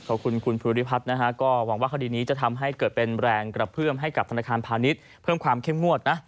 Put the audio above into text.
ขอบคุณคุณภูริพัฒน์นะฮะก็หวังว่าคดีนี้จะทำให้เกิดเป็นแรงกระเพื่อมให้กับธนาคารพาณิชย์เพิ่มความเข้มงวดนะ